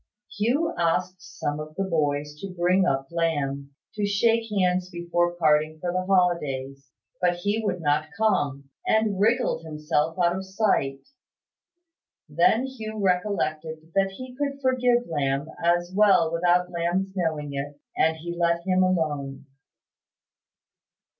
Hugh asked some of the boys to bring up Lamb, to shake hands before parting for the holidays; but he would not come, and wriggled himself out of sight. Then Hugh recollected that he could forgive Lamb as well without Lamb's knowing it; and he let him alone.